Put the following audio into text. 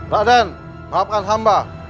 pak den maafkan hamba